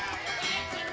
eh ceran kan